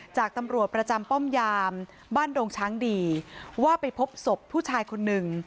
จากตำรวจประจำป้อมยามบ้านดงช้างดีว่าไปพบศพผู้ชายคนหนึ่ง